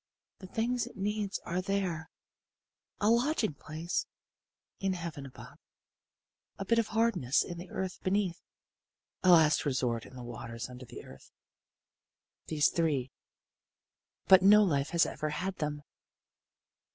The things it needs are three: a Lodging Place in heaven above; a Bit of Hardness in the earth beneath; a Last Resort in the waters under the earth. These three but no life has ever had them."